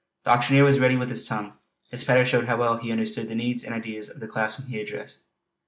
The auctioneer was ready with his tongue; his patter showed how well he understood the needs and ideas of the class whom he addressed.